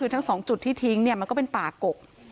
ทั้ง๒จุดที่ทิ้งมันก็เป็นป่ากก